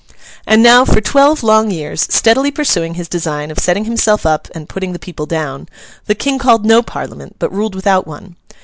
And now, for twelve long years, steadily pursuing his design of setting himself up and putting the people down, the King called no Parliament; but ruled without one.